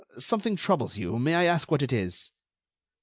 Something troubles you; may I ask what it is?"